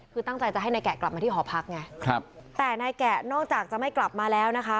คือตั้งใจจะให้นายแกะกลับมาที่หอพักไงครับแต่นายแกะนอกจากจะไม่กลับมาแล้วนะคะ